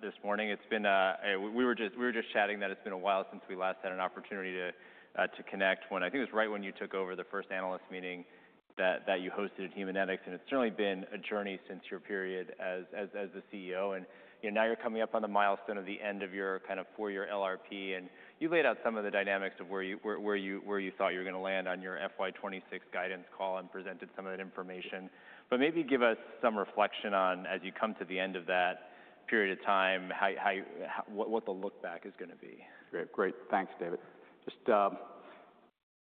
This morning. It's been, we were just chatting that it's been a while since we last had an opportunity to connect when, I think it was right when you took over the first analyst meeting that you hosted at Haemonetics. It's certainly been a journey since your period as the CEO. You know, now you're coming up on the milestone of the end of your kind of four-year LRP, and you laid out some of the dynamics of where you thought you were gonna land on your FY2026 guidance call and presented some of that information. Maybe give us some reflection on, as you come to the end of that period of time, how what the look-back is gonna be. Great. Great. Thanks, David. Just,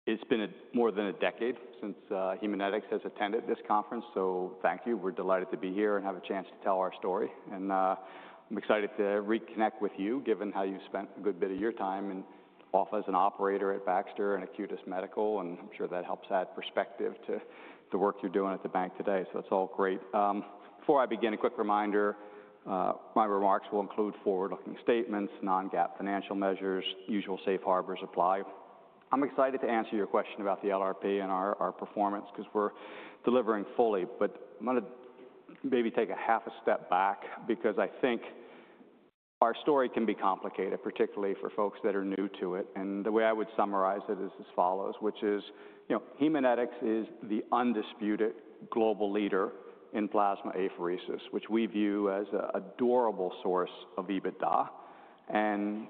it's been more than a decade since Haemonetics has attended this conference, so thank you. We're delighted to be here and have a chance to tell our story. I'm excited to reconnect with you given how you've spent a good bit of your time and off as an operator at Baxter and [Astutis] Medical, and I'm sure that helps add perspective to the work you're doing at the bank today. That's all great. Before I begin, a quick reminder, my remarks will include forward-looking statements, non-GAAP financial measures, usual safe harbors apply. I'm excited to answer your question about the LRP and our performance 'cause we're delivering fully. I'm gonna maybe take a half a step back because I think our story can be complicated, particularly for folks that are new to it. The way I would summarize it is as follows, which is, you know, Haemonetics is the undisputed global leader in plasma apheresis, which we view as a durable source of EBITDA.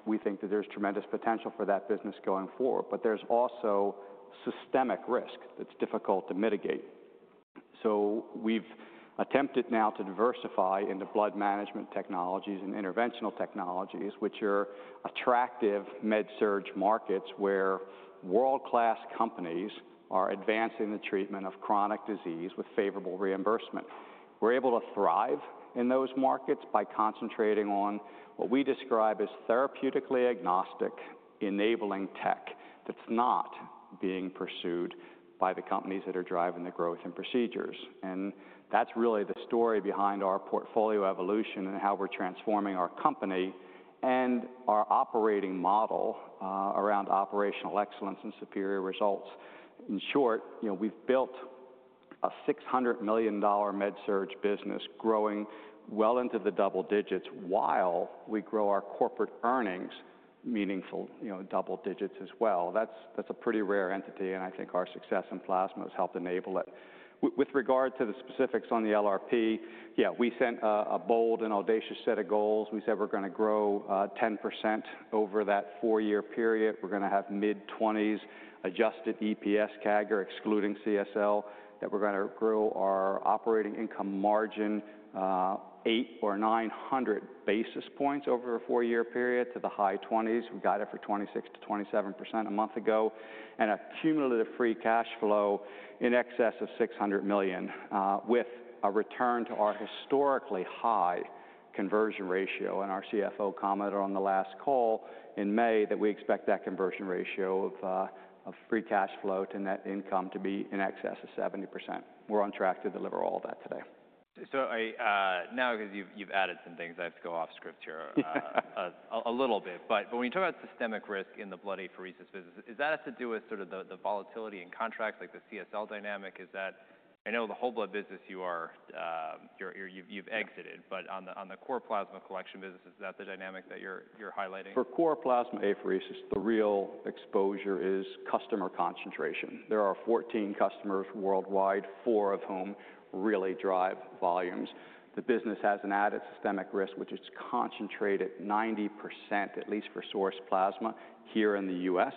We think that there's tremendous potential for that business going forward, but there's also systemic risk that's difficult to mitigate. We've attempted now to diversify into blood management technologies and interventional technologies, which are attractive med-surg markets where world-class companies are advancing the treatment of chronic disease with favorable reimbursement. We're able to thrive in those markets by concentrating on what we describe as therapeutically agnostic enabling tech that's not being pursued by the companies that are driving the growth in procedures. That's really the story behind our portfolio evolution and how we're transforming our company and our operating model, around operational excellence and superior results. In short, you know, we've built a $600 million med-surg business growing well into the double-digits while we grow our corporate earnings meaningful, you know, double-digits as well. That's a pretty rare entity, and I think our success in plasma has helped enable it. With regard to the specifics on the LRP, yeah, we set a bold and audacious set of goals. We said we're gonna grow 10% over that four-year period. We're gonna have mid-20s adjusted EPS CAGR excluding CSL, that we're gonna grow our operating income margin 800 or 900 basis points over a four-year period to the high 20s. We got it for 26%-27% a month ago, and a cumulative free cash flow in excess of $600 million, with a return to our historically high-conversion ratio. Our CFO commented on the last call in May that we expect that conversion ratio of free cash flow to net income to be in excess of 70%. We're on track to deliver all that today. So I, now 'cause you've, you've added some things, I have to go off script here a little bit. But when you talk about systemic risk in the blood apheresis business, is that to do with sort of the volatility in contracts like the CSL dynamic? Is that, I know the whole blood business you are, you've exited, but on the core plasma collection business, is that the dynamic that you're highlighting? For core plasma apheresis, the real exposure is customer concentration. There are 14 customers worldwide, four of whom really drive volumes. The business has an added systemic risk, which is concentrated 90%, at least for source plasma, here in the U.S.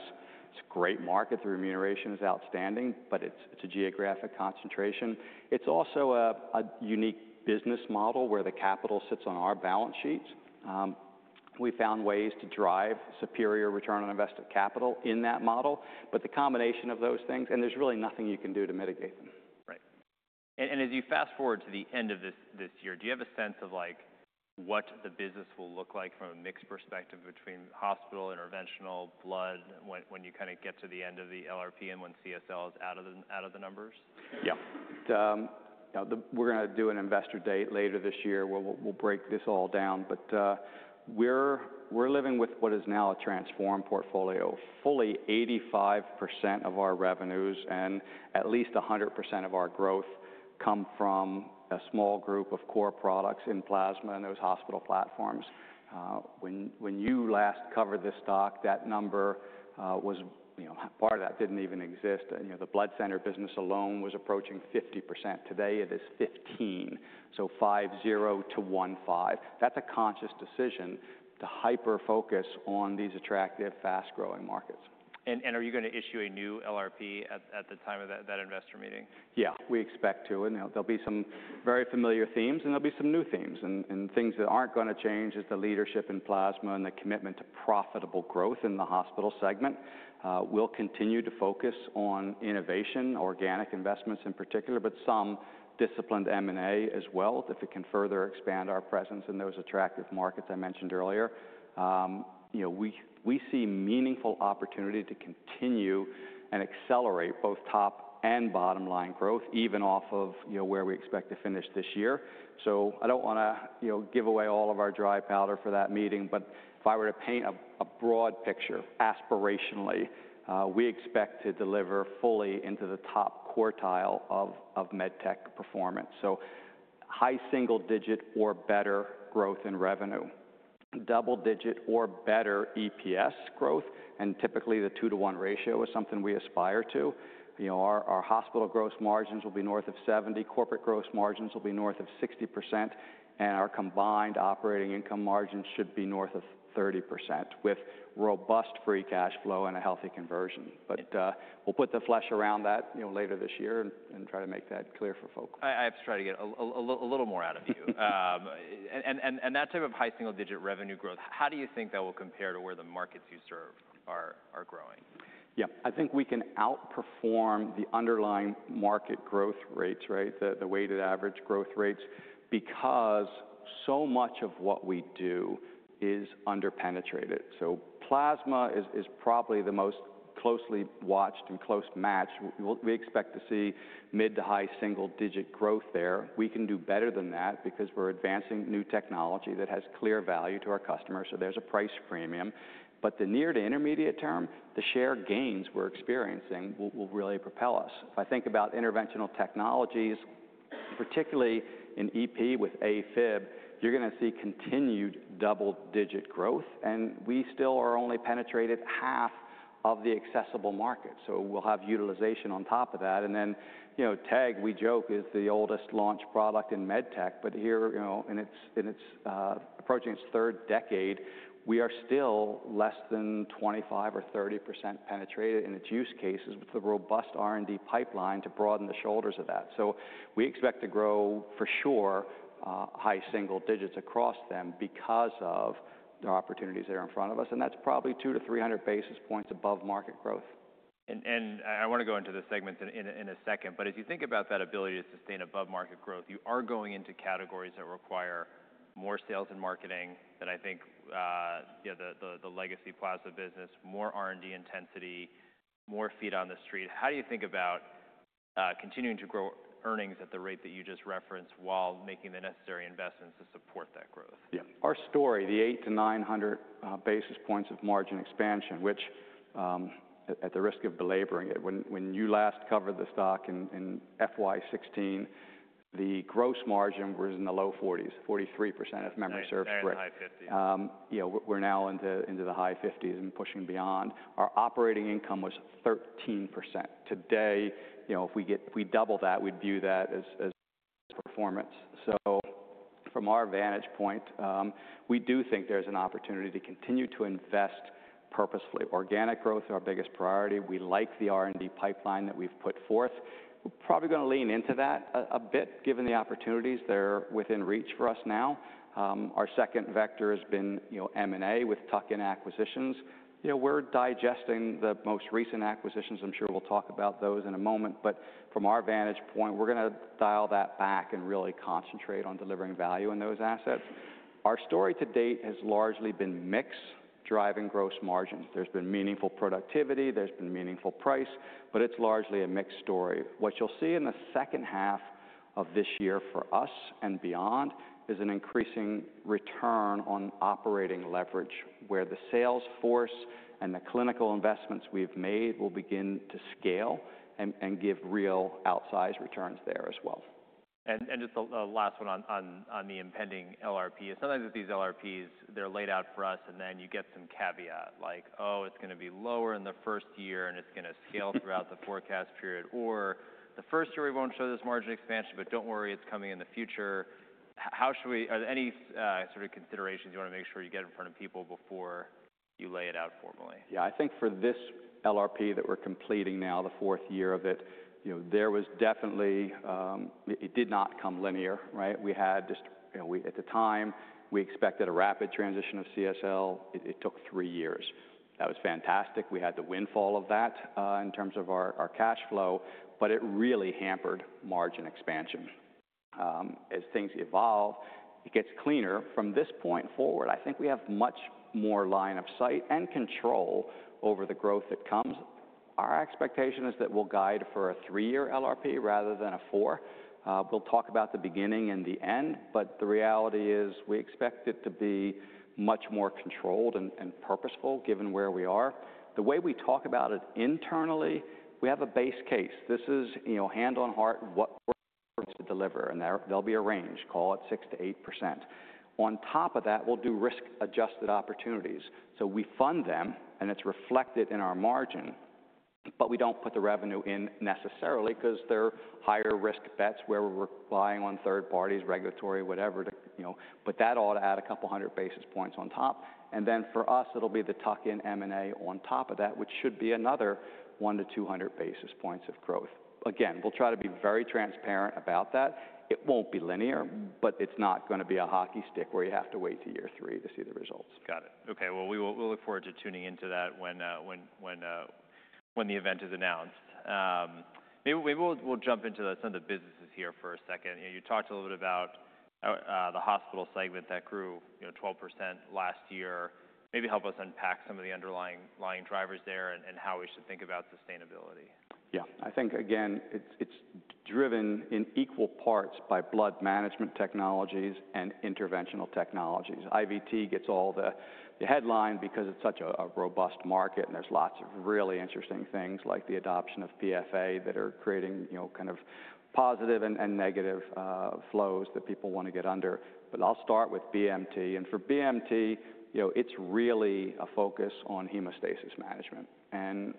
It's a great market. The remuneration is outstanding, but it's a geographic concentration. It's also a unique business model where the capital sits on our balance sheets. We found ways to drive superior return on invested capital in that model, but the combination of those things—and there's really nothing you can do to mitigate them. Right. As you fast forward to the end of this year, do you have a sense of, like, what the business will look like from a mix perspective between hospital interventional, blood, when you kinda get to the end of the LRP and when CSL is out of the numbers? Yeah. You know, we're gonna do an Investor Day later this year. We'll break this all down. We're living with what is now a transformed portfolio. Fully, 85% of our revenues and at least 100% of our growth come from a small group of core products in plasma and those hospital platforms. When you last covered this stock, that number, you know, part of that didn't even exist. You know, the blood center business alone was approaching 50%. Today, it is 15, so 5-0 to 1-5. That's a conscious decision to hyper-focus on these attractive, fast-growing markets. Are you gonna issue a new LRP at the time of that Investor Meeting? Yeah. We expect to. And, you know, there'll be some very familiar themes, and there'll be some new themes. Things that aren't gonna change is the leadership in plasma and the commitment to profitable growth in the hospital segment. We'll continue to focus on innovation, organic investments in particular, but some disciplined M&A as well if it can further expand our presence in those attractive markets I mentioned earlier. You know, we see meaningful opportunity to continue and accelerate both top and bottom line growth, even off of, you know, where we expect to finish this year. I don't wanna, you know, give away all of our dry powder for that meeting, but if I were to paint a broad picture aspirationally, we expect to deliver fully into the top quartile of medtech performance. High single-digit or better growth in revenue, double-digit or better EPS growth, and typically the 2 to 1 ratio is something we aspire to. You know, our hospital gross margins will be north of 70%, corporate gross margins will be north of 60%, and our combined operating income margins should be north of 30% with robust free cash flow and a healthy conversion. We'll put the flesh around that, you know, later this year and try to make that clear for folk. I have to try to get a little more out of you. That type of high single-digit revenue growth, how do you think that will compare to where the markets you serve are growing? Yeah. I think we can outperform the underlying market growth rates, right, the weighted average growth rates, because so much of what we do is under-penetrated. So plasma is probably the most closely watched and close-matched. We expect to see mid to high single-digit growth there. We can do better than that because we're advancing new technology that has clear value to our customers, so there's a price premium. In the near to intermediate term, the share gains we're experiencing will really propel us. If I think about interventional technologies, particularly in EP with AFib, you're gonna see continued double-digit growth, and we still are only penetrated half of the accessible market. We'll have utilization on top of that. You know, TEG, we joke, is the oldest launch product in medtech, but here, you know, in its, in its, approaching its third decade, we are still less than 25% or 30% penetrated in its use cases with the robust R&D pipeline to broaden the shoulders of that. We expect to grow for sure, high single digits across them because of the opportunities that are in front of us, and that's probably 200-300 basis points above market growth. I wanna go into the segments in a second, but as you think about that ability to sustain above-market growth, you are going into categories that require more sales and marketing that I think, you know, the legacy plasma business, more R&D intensity, more feet on the street. How do you think about continuing to grow earnings at the rate that you just referenced while making the necessary investments to support that growth? Yeah. Our story, the 800-900 basis points of margin expansion, which, at the risk of belaboring it, when you last covered the stock in FY2016, the gross margin was in the low 40s, 43% of member-served growth. Right. High 50s. You know, we're now into the high 50s and pushing beyond. Our operating income was 13%. Today, you know, if we get, if we double that, we'd view that as performance. From our vantage point, we do think there's an opportunity to continue to invest purposefully. Organic growth is our biggest priority. We like the R&D pipeline that we've put forth. We're probably gonna lean into that a bit given the opportunities. They're within reach for us now. Our second vector has been, you know, M&A with tuck-in acquisitions. You know, we're digesting the most recent acquisitions. I'm sure we'll talk about those in a moment. From our vantage point, we're gonna dial that back and really concentrate on delivering value in those assets. Our story to date has largely been mixed driving gross margins. There's been meaningful productivity. There's been meaningful price, but it's largely a mixed story. What you'll see in the second half of this year for us and beyond is an increasing return on operating leverage where the sales force and the clinical investments we've made will begin to scale and give real outsized returns there as well. Just the last one on the impending LRP is sometimes with these LRPs, they're laid out for us, and then you get some caveat like, "Oh, it's gonna be lower in the first year, and it's gonna scale throughout the forecast period," or, "The first year we won't show this margin expansion, but don't worry, it's coming in the future." How should we, are there any sort of considerations you want to make sure you get in front of people before you lay it out formally? Yeah. I think for this LRP that we're completing now, the fourth year of it, you know, there was definitely, it did not come linear, right? We had just, you know, we at the time, we expected a rapid transition of CSL. It took three years. That was fantastic. We had the windfall of that, in terms of our cash flow, but it really hampered margin expansion. As things evolve, it gets cleaner. From this point forward, I think we have much more line of sight and control over the growth that comes. Our expectation is that we'll guide for a three-year LRP rather than a four. We'll talk about the beginning and the end, but the reality is we expect it to be much more controlled and purposeful given where we are. The way we talk about it internally, we have a base case. This is, you know, hand on heart what we're going to deliver, and there'll be a range, call it 6%-8%. On top of that, we'll do risk-adjusted opportunities. So we fund them, and it's reflected in our margin, but we don't put the revenue in necessarily 'cause they're higher risk bets where we're relying on third parties, regulatory, whatever to, you know, put that all to add a couple hundred basis points on top. And then for us, it'll be the tuck-in M&A on top of that, which should be another 100-200 basis points of growth. Again, we'll try to be very transparent about that. It won't be linear, but it's not gonna be a hockey stick where you have to wait to year three to see the results. Got it. Okay. We will, we'll look forward to tuning into that when the event is announced. Maybe, maybe we'll jump into some of the businesses here for a second. You know, you talked a little bit about the hospital segment that grew 12% last year. Maybe help us unpack some of the underlying drivers there and how we should think about sustainability. Yeah. I think, again, it's driven in equal parts by blood management technologies and interventional technologies. IVT gets all the headline because it's such a robust market, and there's lots of really interesting things like the adoption of PFA that are creating, you know, kind of positive and negative flows that people wanna get under. I'll start with BMT. For BMT, you know, it's really a focus on hemostasis management.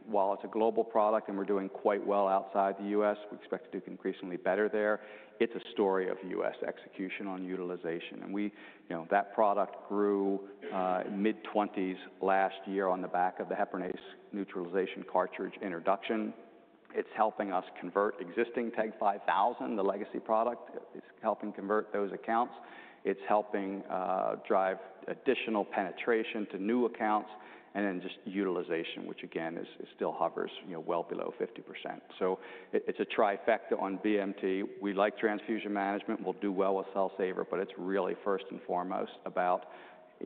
While it's a global product and we're doing quite well outside the U.S., we expect to do increasingly better there. It's a story of U.S. execution on utilization. You know, that product grew mid-20s last year on the back of the heparinase neutralization cartridge introduction. It's helping us convert existing TEG 5000, the legacy product. It's helping convert those accounts. It's helping drive additional penetration to new accounts and then just utilization, which again still hovers, you know, well below 50%. So it's a trifecta on BMT. We like transfusion management. We'll do well with Cell Saver, but it's really first and foremost about,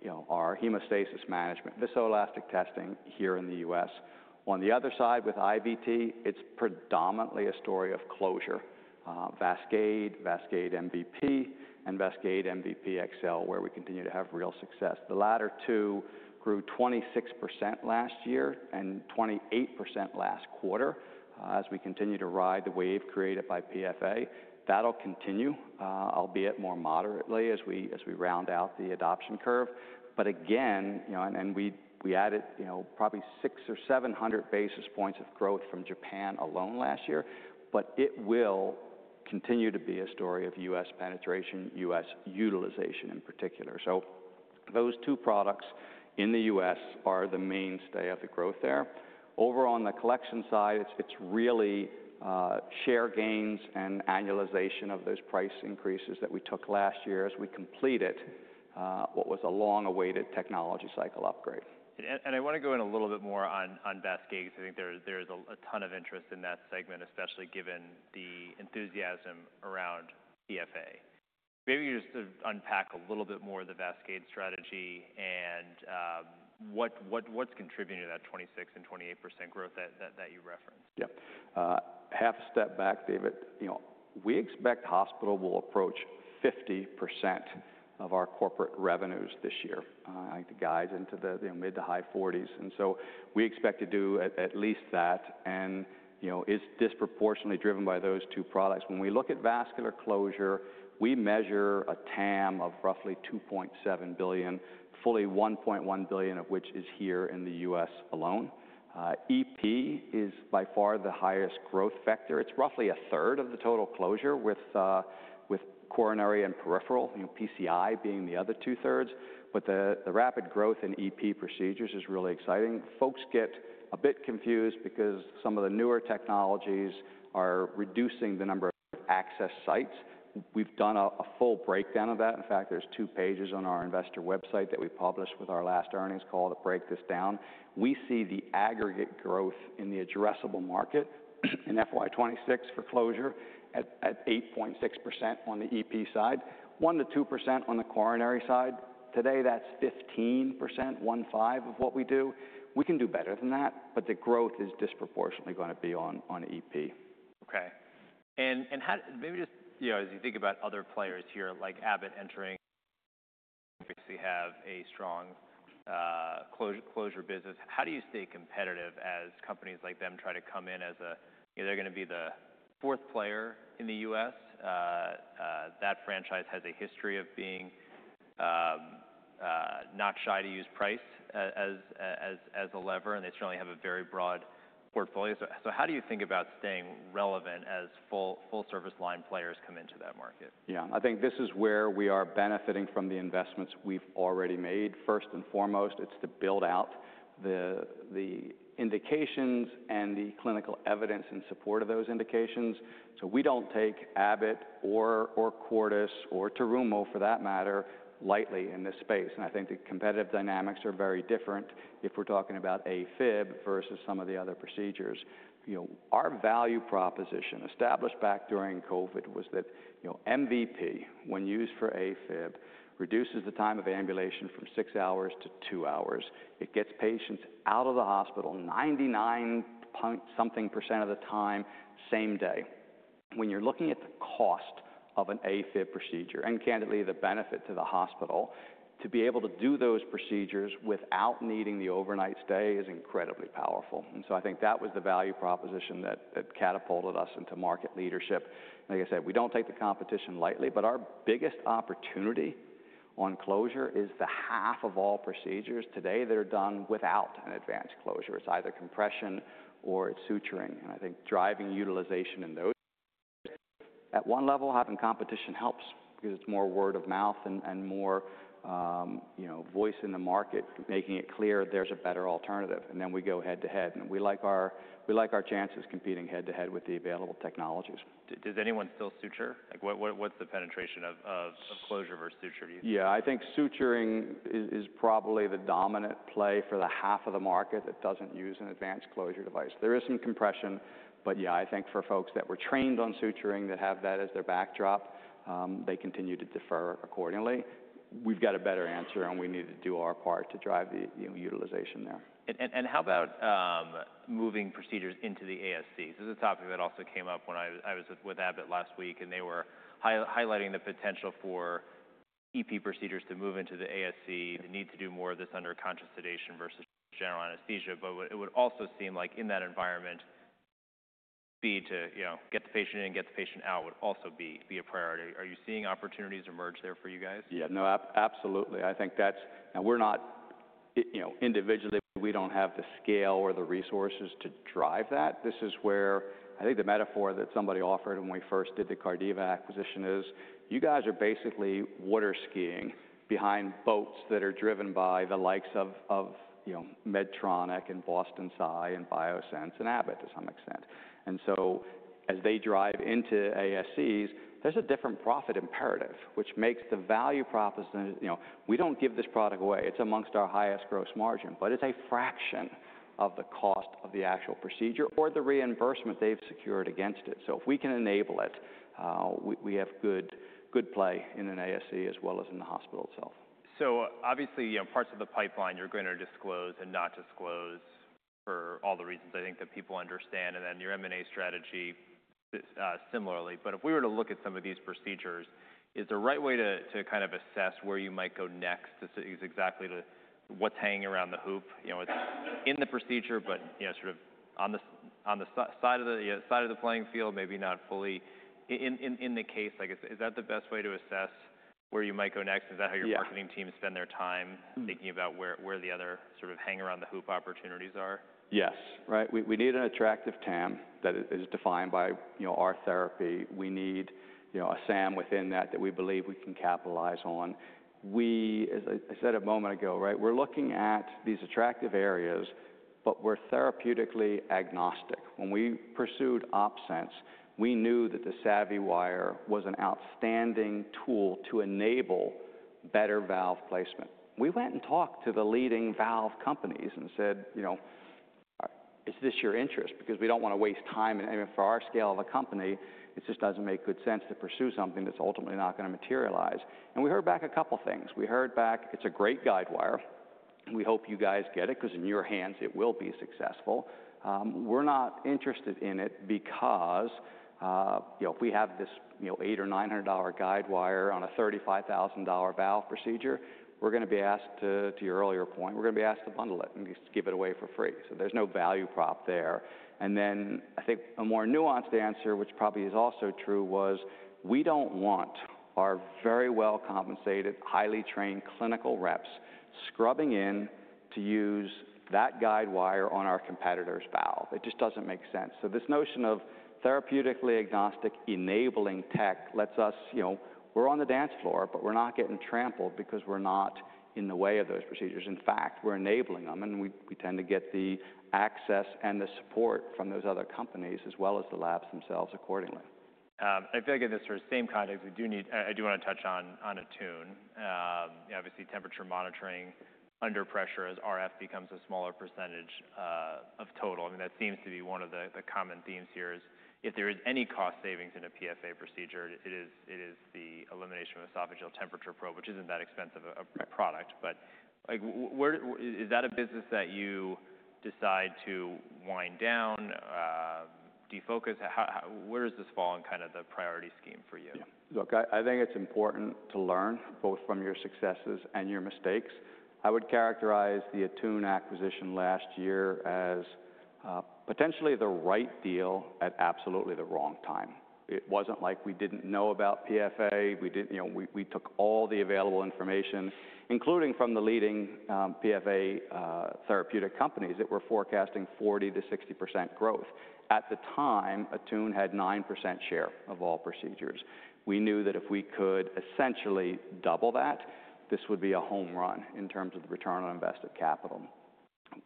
you know, our hemostasis management, viscoelastic testing here in the U.S. On the other side with IVT, it's predominantly a story of closure, VASCADE, VASCADE MVP, and VASCADE MVP XL, where we continue to have real success. The latter two grew 26% last year and 28% last quarter, as we continue to ride the wave created by PFA. That'll continue, albeit more moderately as we round out the adoption curve. Again, you know, we added probably 600 or 700 basis points of growth from Japan alone last year, but it will continue to be a story of U.S. penetration, U.S. utilization in particular. Those two products in the U.S. are the mainstay of the growth there. Over on the collection side, it's really share gains and annualization of those price increases that we took last year as we completed what was a long-awaited technology cycle upgrade. I wanna go in a little bit more on VASCADE 'cause I think there is a ton of interest in that segment, especially given the enthusiasm around PFA. Maybe you just unpack a little bit more of the VASCADE strategy and what is contributing to that 26% and 28% growth that you referenced? Yeah. Half a step back, David, you know, we expect hospital will approach 50% of our corporate revenues this year. I think the guide into the, you know, mid to high 40s. We expect to do at least that. You know, it's disproportionately driven by those two products. When we look at vascular closure, we measure a TAM of roughly $2.7 billion, fully $1.1 billion of which is here in the U.S. alone. EP is by far the highest growth factor. It's roughly a third of the total closure, with coronary and peripheral, you know, PCI being the other two-thirds. The rapid growth in EP procedures is really exciting. Folks get a bit confused because some of the newer technologies are reducing the number of access sites. We've done a full breakdown of that. In fact, there are two pages on our investor website that we published with our last earnings call to break this down. We see the aggregate growth in the addressable market in FY2026 for closure at 8.6% on the EP side, 1%-2% on the coronary side. Today, that is 15% of what we do. We can do better than that, but the growth is disproportionately going to be on EP. Okay. And how, maybe just, you know, as you think about other players here like Abbott entering, obviously have a strong closure business, how do you stay competitive as companies like them try to come in as a, you know, they're gonna be the fourth player in the U.S.? That franchise has a history of being not shy to use price as a lever, and they certainly have a very broad portfolio. So how do you think about staying relevant as full-service line players come into that market? Yeah. I think this is where we are benefiting from the investments we've already made. First and foremost, it's to build out the indications and the clinical evidence in support of those indications. We don't take Abbott or Cordis or Terumo for that matter lightly in this space. I think the competitive dynamics are very different if we're talking about AFib versus some of the other procedures. You know, our value proposition established back during COVID was that, you know, MVP, when used for AFib, reduces the time of ambulation from six hours to two hours. It gets patients out of the hospital 99 point something percent of the time same day. When you're looking at the cost of an AFib procedure and candidly the benefit to the hospital, to be able to do those procedures without needing the overnight stay is incredibly powerful. I think that was the value proposition that catapulted us into market leadership. Like I said, we do not take the competition lightly, but our biggest opportunity on closure is the half of all procedures today that are done without an advanced closure. It is either compression or it is suturing. I think driving utilization in those at one level, having competition helps because it is more word of mouth and more, you know, voice in the market making it clear there is a better alternative. We go head to head. We like our chances competing head to head with the available technologies. Does anyone still suture? Like, what's the penetration of closure versus suture? Yeah. I think suturing is probably the dominant play for the half of the market that does not use an advanced closure device. There is some compression, but yeah, I think for folks that were trained on suturing that have that as their backdrop, they continue to defer accordingly. We've got a better answer, and we need to do our part to drive the, you know, utilization there. How about moving procedures into the ASCs? This is a topic that also came up when I was with Abbott last week, and they were highlighting the potential for EP procedures to move into the ASC, the need to do more of this under conscious sedation versus general anesthesia. It would also seem like in that environment, to get the patient in, get the patient out would also be a priority. Are you seeing opportunities emerge there for you guys? Yeah. No, absolutely. I think that's, and we're not, you know, individually, we don't have the scale or the resources to drive that. This is where I think the metaphor that somebody offered when we first did the Cardiva acquisition is you guys are basically water skiing behind boats that are driven by the likes of, you know, Medtronic and Boston Sci and Biosense and Abbott to some extent. As they drive into ASCs, there's a different profit imperative, which makes the value proposition, you know, we don't give this product away. It's amongst our highest gross margin, but it's a fraction of the cost of the actual procedure or the reimbursement they've secured against it. If we can enable it, we have good play in an ASC as well as in the hospital itself. Obviously, you know, parts of the pipeline you're gonna disclose and not disclose for all the reasons I think that people understand. Your M&A strategy, similarly. If we were to look at some of these procedures, is the right way to kind of assess where you might go next exactly to what's hanging around the hoop? You know, it's in the procedure, but, you know, sort of on the side of the, you know, side of the playing field, maybe not fully in the case, I guess. Is that the best way to assess where you might go next? Is that how your marketing team spend their time thinking about where the other sort of hang around the hoop opportunities are? Yes. Right. We need an attractive TAM that is defined by, you know, our therapy. We need, you know, a SAM within that that we believe we can capitalize on. As I said a moment ago, right, we're looking at these attractive areas, but we're therapeutically agnostic. When we pursued OpSens, we knew that the SavvyWire was an outstanding tool to enable better valve placement. We went and talked to the leading valve companies and said, you know, is this your interest? Because we don't want to waste time. For our scale of a company, it just doesn't make good sense to pursue something that's ultimately not going to materialize. We heard back a couple things. We heard back, it's a great guidewire. We hope you guys get it 'cause in your hands it will be successful. We're not interested in it because, you know, if we have this, you know, $800 or $900 guidewire on a $35,000 valve procedure, we're gonna be asked to, to your earlier point, we're gonna be asked to bundle it and just give it away for free. There's no value prop there. I think a more nuanced answer, which probably is also true, was we don't want our very well-compensated, highly trained clinical reps scrubbing in to use that guidewire on our competitor's valve. It just doesn't make sense. This notion of therapeutically agnostic enabling tech lets us, you know, we're on the dance floor, but we're not getting trampled because we're not in the way of those procedures. In fact, we're enabling them, and we tend to get the access and the support from those other companies as well as the labs themselves accordingly. I feel like in this sort of same context, we do need, I do wanna touch on, on Attune. Obviously temperature monitoring under pressure as RF becomes a smaller percentage of total. I mean, that seems to be one of the common themes here is if there is any cost savings in a PFA procedure, it is the elimination of esophageal temperature probe, which is not that expensive a product. Like, where is that a business that you decide to wind down, defocus? How, where does this fall in kind of the priority scheme for you? Yeah. Look, I think it's important to learn both from your successes and your mistakes. I would characterize the Attune acquisition last year as, potentially the right deal at absolutely the wrong time. It wasn't like we didn't know about PFA. We didn't, you know, we took all the available information, including from the leading PFA therapeutic companies that were forecasting 40%-60% growth. At the time, Attune had 9% share of all procedures. We knew that if we could essentially double that, this would be a home run in terms of the return on invested capital.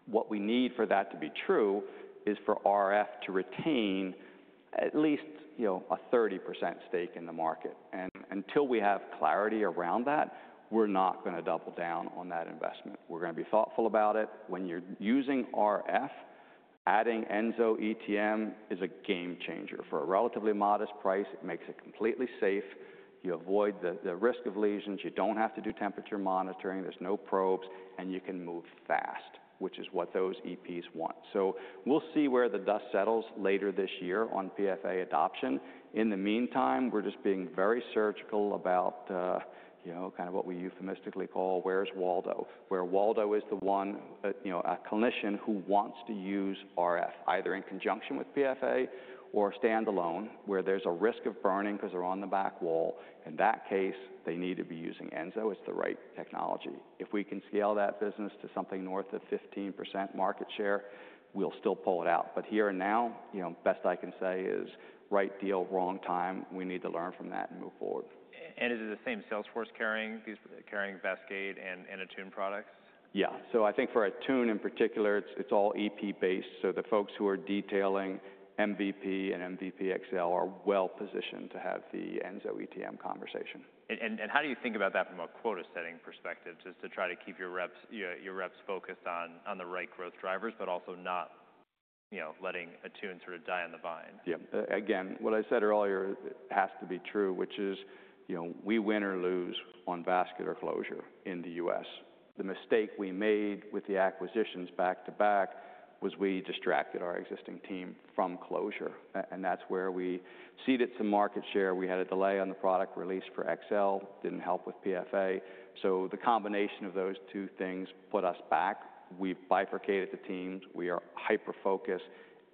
What we need for that to be true is for RF to retain at least, you know, a 30% stake in the market. Until we have clarity around that, we're not gonna double down on that investment. We're gonna be thoughtful about it. When you're using RF, adding ensoETM is a game changer for a relatively modest price. It makes it completely safe. You avoid the risk of lesions. You don't have to do temperature monitoring. There's no probes, and you can move fast, which is what those EPs want. We'll see where the dust settles later this year on PFA adoption. In the meantime, we're just being very surgical about, you know, kind of what we euphemistically call, where's Waldo, where Waldo is the one, you know, a clinician who wants to use RF either in conjunction with PFA or standalone where there's a risk of burning 'cause they're on the back wall. In that case, they need to be using enso. It's the right technology. If we can scale that business to something north of 15% market share, we'll still pull it out. Here and now, you know, best I can say is right deal, wrong time. We need to learn from that and move forward. Is it the same Salesforce carrying these, carrying VASCADE and Attune products? Yeah. I think for Attune in particular, it's all EP based. The folks who are detailing MVP and MVP XL are well positioned to have the ensoETM conversation. How do you think about that from a quota setting perspective? Just to try to keep your reps, your reps focused on the right growth drivers, but also not, you know, letting Attune sort of die on the vine? Yeah. Again, what I said earlier has to be true, which is, you know, we win or lose on vascular closure in the U.S. The mistake we made with the acquisitions back to back was we distracted our existing team from closure. And that's where we seeded some market share. We had a delay on the product release for XL. Didn't help with PFA. The combination of those two things put us back. We've bifurcated the teams. We are hyper-focused.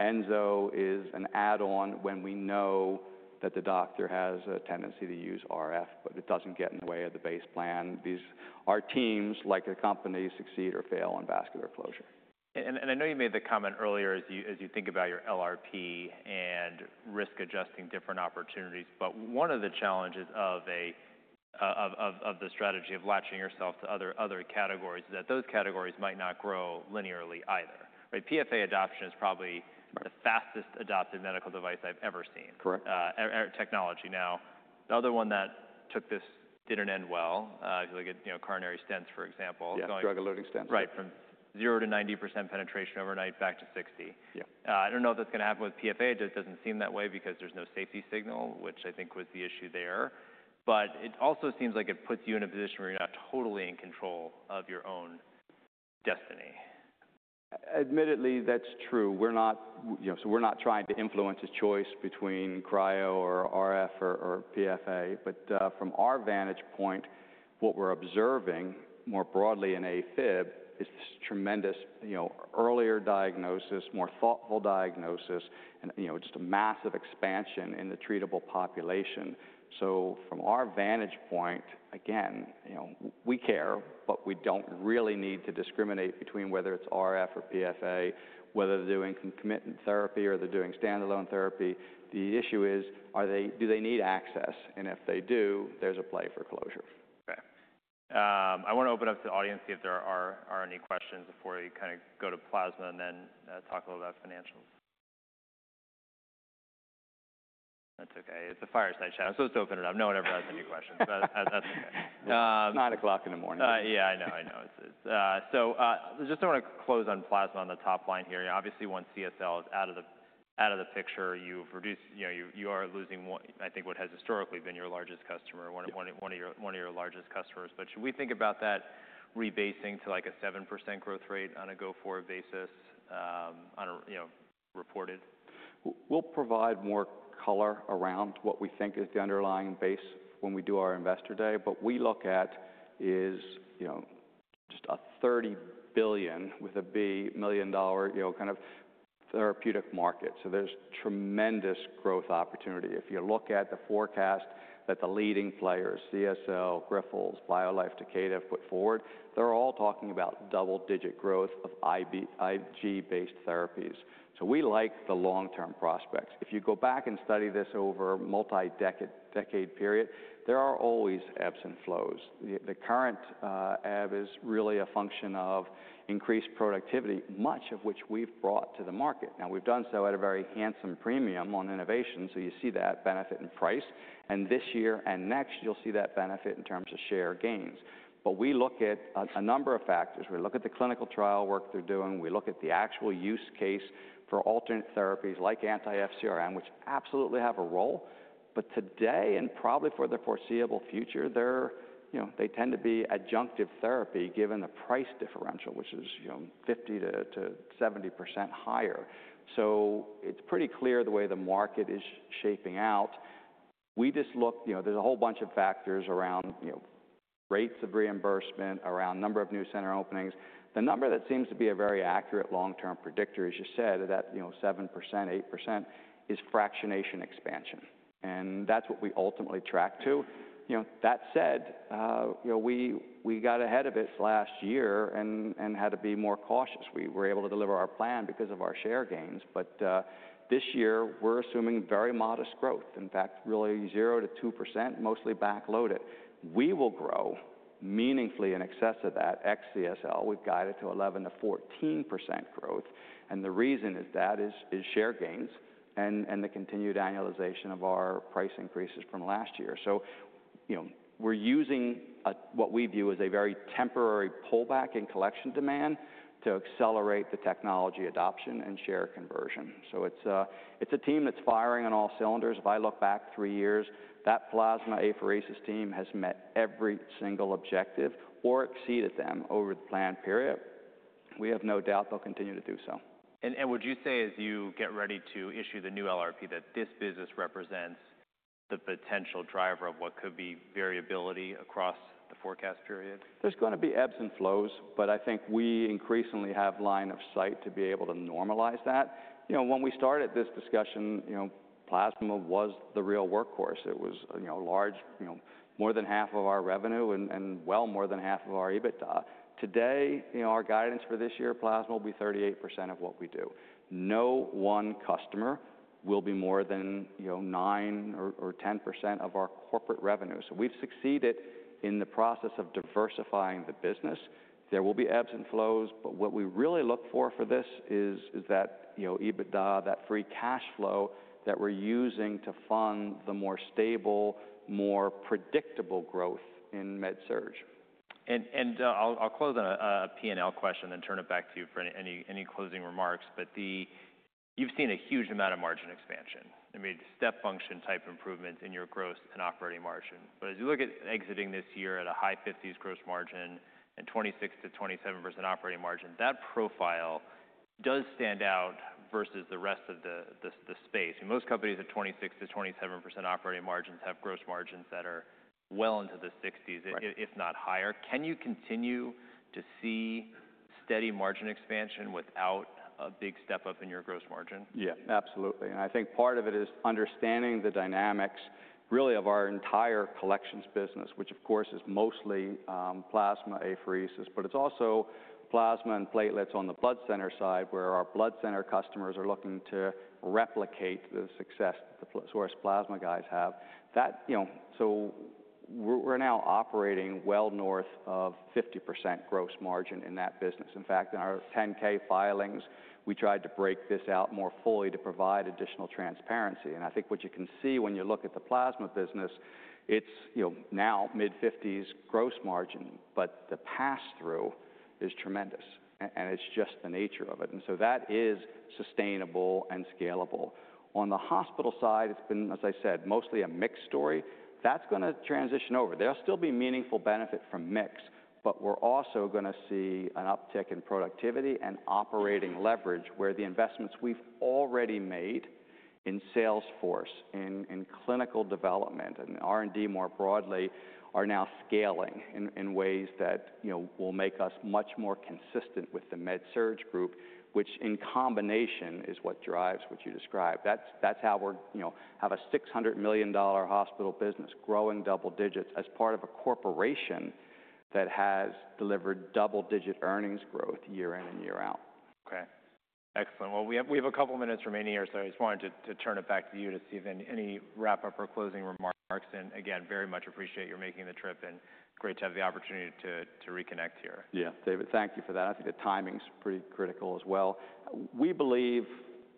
Enso is an add-on when we know that the doctor has a tendency to use RF, but it doesn't get in the way of the base plan. These, our teams, like the company, succeed or fail on vascular closure. I know you made the comment earlier as you think about your LRP and risk adjusting different opportunities, but one of the challenges of the strategy of latching yourself to other categories is that those categories might not grow linearly either, right? PFA adoption is probably the fastest adopted medical device I have ever seen. Correct. technology. Now, the other one that took this didn't end well, if you look at, you know, coronary stents, for example. Yeah. Drug-eluting stents. Right. From 0% -90% penetration overnight back to 60%. Yeah. I don't know if that's gonna happen with PFA. It doesn't seem that way because there's no safety signal, which I think was the issue there. It also seems like it puts you in a position where you're not totally in control of your own destiny. Admittedly, that's true. We're not, you know, so we're not trying to influence his choice between cryo or RF or, or PFA. From our vantage point, what we're observing more broadly in AFib is this tremendous, you know, earlier diagnosis, more thoughtful diagnosis, and, you know, just a massive expansion in the treatable population. From our vantage point, again, you know, we care, but we don't really need to discriminate between whether it's RF or PFA, whether they're doing commitment therapy or they're doing standalone therapy. The issue is, are they, do they need access? If they do, there's a play for closure. Okay. I wanna open up to the audience, see if there are any questions before we kind of go to plasma and then talk a little about financials. That's okay. It's a fireside chat. I'm supposed to open it up. No one ever has any questions, but that's okay. It's 9:00 A.M. Yeah, I know, I know. It's, it's, so, just I wanna close on plasma on the top line here. Obviously, once CSL is out of the picture, you've reduced, you know, you are losing one, I think what has historically been your largest customer, one of your largest customers. Should we think about that rebasing to like a 7% growth rate on a go-forward basis, on a, you know, reported? We'll provide more color around what we think is the underlying base when we do our investor day. What we look at is, you know, just a $30 billion with a [B] million-dollar therapeutic market. So there's tremendous growth opportunity. If you look at the forecast that the leading players, CSL, Grifols, BioLife, [Decade] have put forward, they're all talking about double-digit growth of IG-based therapies. We like the long-term prospects. If you go back and study this over a multi-decade period, there are always ebbs and flows. The current ebb is really a function of increased productivity, much of which we've brought to the market. We've done so at a very handsome premium on innovation. You see that benefit in price. This year and next, you'll see that benefit in terms of share gains. We look at a number of factors. We look at the clinical trial work they're doing. We look at the actual use case for alternate therapies like anti-FCRM, which absolutely have a role. Today and probably for the foreseeable future, they tend to be adjunctive therapy given the price differential, which is 50%-70% higher. It is pretty clear the way the market is shaping out. We just look, there is a whole bunch of factors around rates of reimbursement, around number of new center openings. The number that seems to be a very accurate long-term predictor, as you said, that 7%-8% is fractionation expansion. That is what we ultimately track to. That said, we got ahead of it last year and had to be more cautious. We were able to deliver our plan because of our share gains. This year we're assuming very modest growth. In fact, really 0%-2%, mostly backloaded. We will grow meaningfully in excess of that ex-CSL. We've guided to 11%-14% growth. The reason is share gains and the continued annualization of our price increases from last year. You know, we're using what we view as a very temporary pullback in collection demand to accelerate the technology adoption and share conversion. It's a team that's firing on all cylinders. If I look back three years, that plasma apheresis team has met every single objective or exceeded them over the planned period. We have no doubt they'll continue to do so. Would you say as you get ready to issue the new LRP that this business represents the potential driver of what could be variability across the forecast period? There's gonna be ebbs and flows, but I think we increasingly have line of sight to be able to normalize that. You know, when we started this discussion, you know, plasma was the real workhorse. It was, you know, large, you know, more than half of our revenue and well more than half of our EBITDA. Today, you know, our guidance for this year, plasma will be 38% of what we do. No one customer will be more than, you know, 9% or 10% of our corporate revenue. So we've succeeded in the process of diversifying the business. There will be ebbs and flows, but what we really look for, for this is, is that, you know, EBITDA, that free cash flow that we're using to fund the more stable, more predictable growth in MedSurg. I'll close on a P&L question and turn it back to you for any closing remarks. The, you've seen a huge amount of margin expansion. I mean, step function type improvements in your gross and operating margin. As you look at exiting this year at a high 50s gross margin and 26%-27% operating margin, that profile does stand out versus the rest of the space. I mean, most companies at 26%-27% operating margins have gross margins that are well into the 60s, if not higher. Can you continue to see steady margin expansion without a big step up in your gross margin? Yeah, absolutely. I think part of it is understanding the dynamics really of our entire collections business, which of course is mostly plasma apheresis, but it's also plasma and platelets on the blood center side where our blood center customers are looking to replicate the success that the source plasma guys have. You know, we're now operating well north of 50% gross margin in that business. In fact, in our 10-K filings, we tried to break this out more fully to provide additional transparency. I think what you can see when you look at the plasma business, it's now mid-50% gross margin, but the pass-through is tremendous. It's just the nature of it. That is sustainable and scalable. On the hospital side, it's been, as I said, mostly a mixed story. That's gonna transition over. There'll still be meaningful benefit from mix, but we're also gonna see an uptick in productivity and operating leverage where the investments we've already made in Salesforce, in clinical development and R&D more broadly are now scaling in ways that, you know, will make us much more consistent with the MedSurge Group, which in combination is what drives what you described. That's how we're, you know, have a $600 million hospital business growing double digits as part of a corporation that has delivered double-digit earnings growth year in and year out. Okay. Excellent. We have a couple minutes remaining here, so I just wanted to turn it back to you to see if any wrap-up or closing remarks. Again, very much appreciate your making the trip and great to have the opportunity to reconnect here. Yeah, David, thank you for that. I think the timing's pretty critical as well. We believe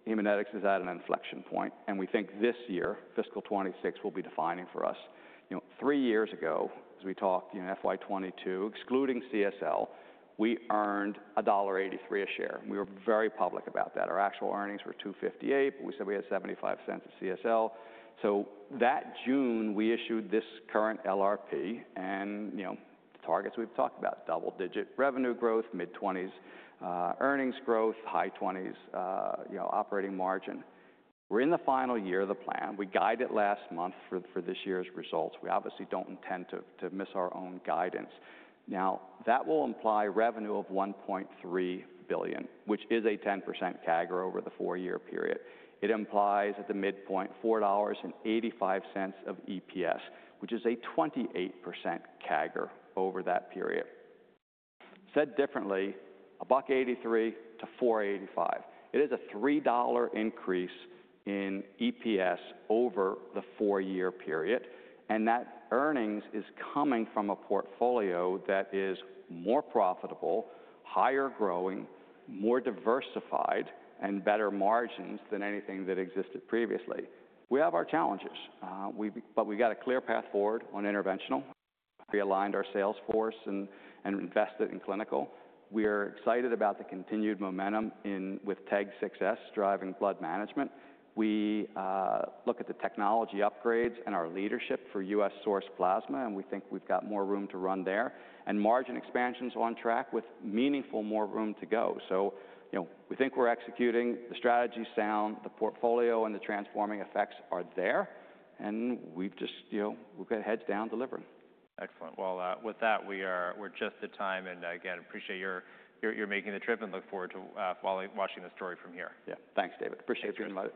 Haemonetics is at an inflection point, and we think this year, fiscal 2026, will be defining for us. You know, three years ago, as we talked, you know, fiscal 2022, excluding CSL, we earned $1.83 a share. We were very public about that. Our actual earnings were $2.58, but we said we had $0.75 of CSL. That June, we issued this current LRP and, you know, the targets we've talked about, double-digit revenue growth, mid-20s earnings growth, high 20s operating margin. We're in the final year of the plan. We guided last month for this year's results. We obviously don't intend to miss our own guidance. That will imply revenue of $1.3 billion, which is a 10% CAGR over the four-year period. It implies at the midpoint, $4.85 of EPS, which is a 28% CAGR over that period. Said differently, a buck 83 to [4.85]. It is a $3 increase in EPS over the four-year period. That earnings is coming from a portfolio that is more profitable, higher growing, more diversified, and better margins than anything that existed previously. We have our challenges, but we've got a clear path forward on interventional. We aligned our Salesforce and invested in clinical. We are excited about the continued momentum with TEG's [success] driving blood management. We look at the technology upgrades and our leadership for U.S. source plasma, and we think we've got more room to run there and margin expansions on track with meaningful more room to go. You know, we think we're executing. The strategy's sound, the portfolio and the transforming effects are there. We have just, you know, got heads down delivering. Excellent. With that, we are just at time. Again, appreciate your making the trip and look forward to following, watching the story from here. Yeah. Thanks, David. Appreciate your [time].